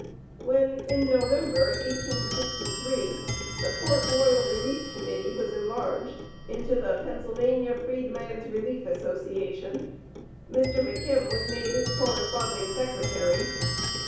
When, in November, 1863, the Port Royal Relief Committee was enlarged into the Pennsylvania Freedman's Relief Association, Mr. McKim was made its corresponding secretary.